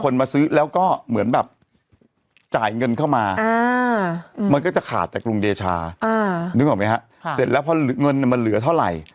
นึกออกไหมครับเสร็จแล้วเงินมันเหลือเท่าไหร่